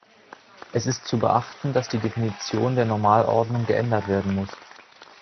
Es ist zu beachten, dass die Definition der Normalordnung geändert werden muss.